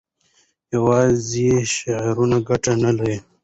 یوازې شعارونه ګټه نه لري.